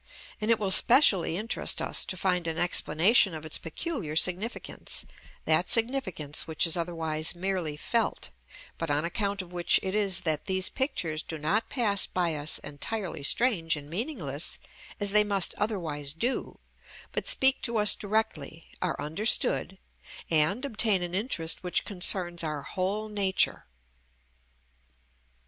And it will specially interest us to find an explanation of its peculiar significance, that significance which is otherwise merely felt, but on account of which it is that these pictures do not pass by us entirely strange and meaningless, as they must otherwise do, but speak to us directly, are understood, and obtain an interest which concerns our whole nature.